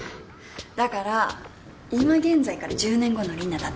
だから今現在から１０年後の里奈だって。